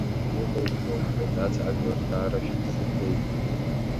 Иҟоу уиоуп, Кәадац, ажәлар даара шәыбзыргеит.